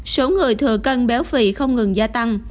số người thừa cân béo phì không ngừng gia tăng